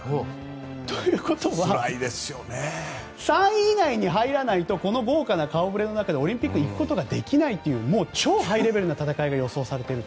ということは３位以内に入らないとこの豪華な顔触れの中でオリンピックに行くことができないというもう超ハイレベルな戦いが予想されていると。